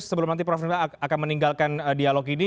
sebelum nanti prof rinda akan meninggalkan dialog ini